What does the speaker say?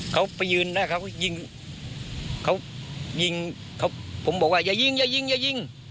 เขาไปยืนได้เขาก็ยิงเขายิงเขาผมบอกว่าอย่ายิงอย่ายิงอย่ายิง